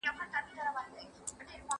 د حلال رِزق د ګټلو ثبوت څه وي؟